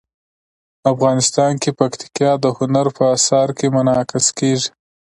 افغانستان کې پکتیکا د هنر په اثار کې منعکس کېږي.